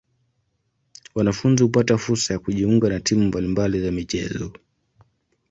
Wanafunzi hupata fursa ya kujiunga na timu mbali mbali za michezo.